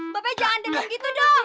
babe jangan deng gitu dong